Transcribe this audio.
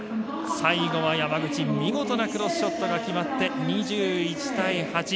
最後は山口見事なクロスショットが決まって２１対８。